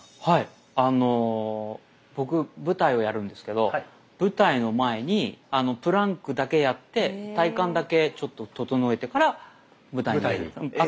はいあの僕舞台をやるんですけど舞台の前にプランクだけやって体幹だけちょっと整えてから舞台にうん。